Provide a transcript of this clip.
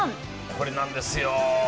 これなんですよ。